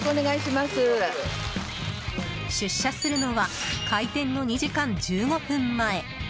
出社するのは開店の２時間１５分前。